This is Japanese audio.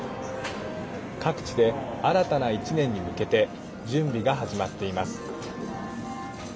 各地で新たな１年に向けて準備が始まっています。